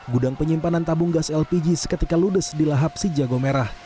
gudang penyimpanan tabung gas lpg seketika ludes di lahap si jago merah